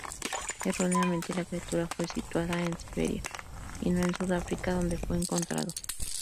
Erróneamente, la criatura fue situada en Siberia, y no en Sudáfrica, donde fue encontrado.